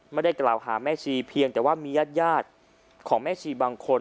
ไม่ได้กล่าวหาแม่ชีเพียงแต่ว่ามีญาติของแม่ชีบางคน